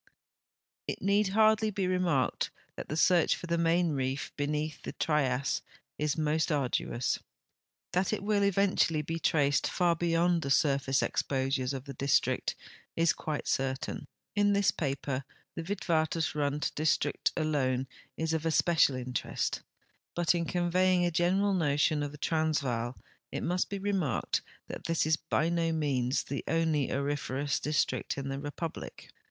It need hardly be remarked that the search for the Main Reef lieneath the Trias is most arduous. That it will eventually be traced far beyond the surface exposures of the district is quite certain. In this paper the Witwatersrand district alone is of especial interest, but in conveying a general notion of the Transvaal it must be remarked that this is by no means the only auriferous district in the reiiublic.